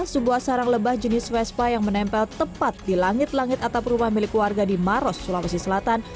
sebuah sarang lebah jenis vespa yang menempel tepat di langit langit atap rumah milik warga di maros sulawesi selatan